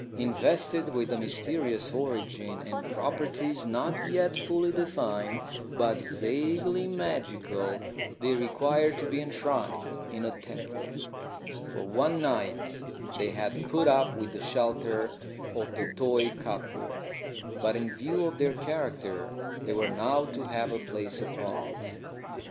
Invested with a mysterious origin and properties not yet fully defined, but vaguely magical, they required to be enshrined in a temple. For one night they had put up with the shelter of the toy cupboard. But in view of their character they were now to have a place apart.